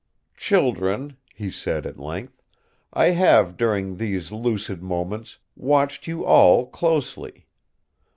"Children," he said, at length, "I have, during these lucid moments, watched you all closely.